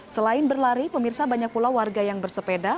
selain berlari pemirsa banyak pula warga yang bersepeda